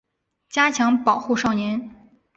加强保护少年